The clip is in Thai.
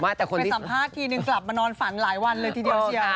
แต่คุณไปสัมภาษณ์ทีนึงกลับมานอนฝันหลายวันเลยทีเดียวเชียว